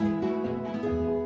ya kita ke sekolah